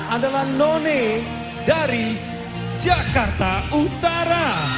adalah none dari jakarta utara